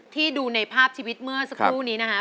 ดูในภาพชีวิตเมื่อสักครู่นี้นะคะ